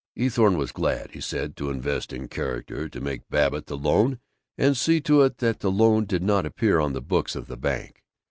Eathorne was glad, he said, to "invest in character," to make Babbitt the loan and see to it that the loan did not appear on the books of the bank.